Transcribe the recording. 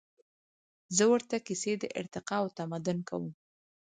زهٔ ورته کیسې د ارتقا او تمدن کوم